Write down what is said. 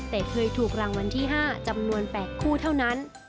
แต่เคยถูกรางวัลที่๕จำนวน๘คู่เท่านั้น